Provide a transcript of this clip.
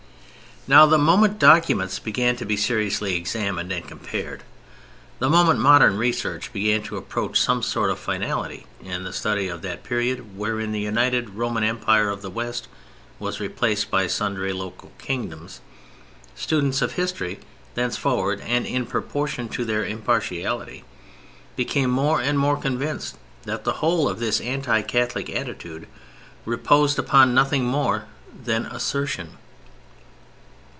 Now the moment documents began to be seriously examined and compared, the moment modern research began to approach some sort of finality in the study of that period wherein the United Roman Empire of the West was replaced by sundry local Kingdoms, students of history thenceforward (and in proportion to their impartiality) became more and more convinced that the whole of this anti Catholic attitude reposed upon nothing more than assertion.